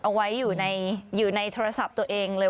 เอาไว้อยู่ในโทรศัพท์ตัวเองเลย